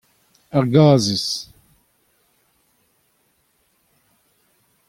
Ar gazhez.